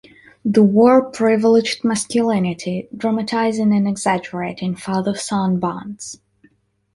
The war privileged masculinity, dramatizing and exaggerating, father-son bonds.